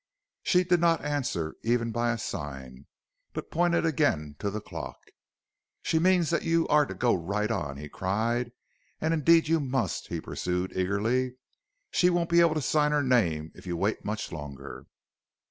"She did not answer, even by a sign, but pointed again to the clock. "'She means that you are to go right on,' he cried. 'And indeed you must,' he pursued, eagerly. 'She won't be able to sign her name if you wait much longer.'